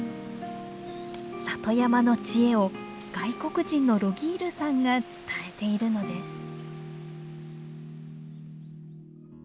里山の知恵を外国人のロギールさんが伝えているのです。